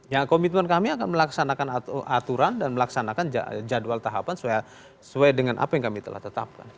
ya komitmen kami akan melaksanakan aturan dan melaksanakan jadwal tahapan sesuai dengan apa yang kami telah tetapkan